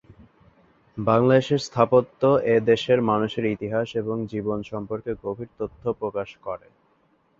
বাংলাদেশের স্থাপত্য এদেশের মানুষের ইতিহাস এবং জীবন সম্পর্কে গভীর তথ্য প্রকাশ করে।